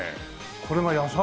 これが野菜？